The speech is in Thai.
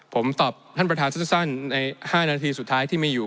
ผมตอบท่านประธานสั้นใน๕นาทีสุดท้ายที่มีอยู่